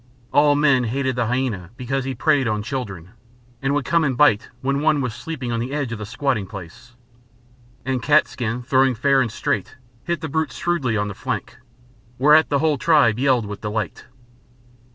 All men hated the hyæna because he preyed on children, and would come and bite when one was sleeping on the edge of the squatting place. And Cat's skin, throwing fair and straight, hit the brute shrewdly on the flank, whereat the whole tribe yelled with delight.